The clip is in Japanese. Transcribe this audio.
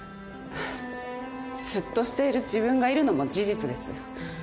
スッとしている自分がいるのも事実です。